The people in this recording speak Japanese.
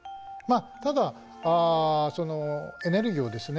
ただエネルギーをですね